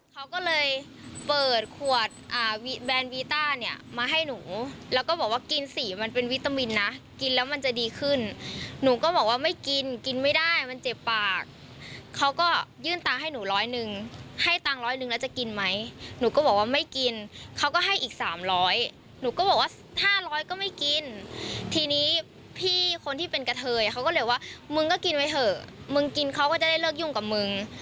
เขาก็เลยว่ามึงก็กินไว้เถอะมึงกินเขาก็จะได้เลิกยุ่งกับมึง